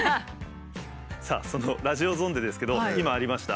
さあそのラジオゾンデですけど今ありました